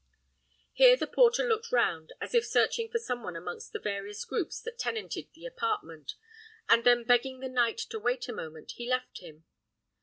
Here the porter looked round, as if searching for some one amongst the various groups that tenanted the apartment; and then begging the knight to wait a moment, he left him.